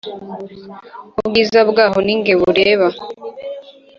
Ubwiza bwaho ninge bureba